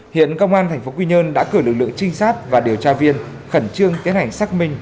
hiện công an tp quy nhơn đã cử lực lượng trinh sát và điều tra viên khẩn trương tiến hành xác minh